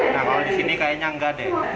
nah kalau disini kayaknya enggak deh